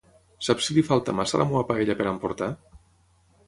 Saps si li falta massa a la meva paella per emportar?